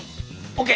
ＯＫ。